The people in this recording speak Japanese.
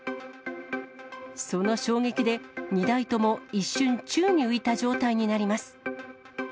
その衝撃で、２台とも一瞬、宙に浮いた状態になります。